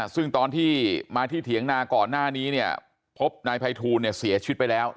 ซึ่งตอนที่มาที่เถียงนาก่อนหน้านี้เนี่ยพบนายภัยทูลเสียชีวิตไปแล้ว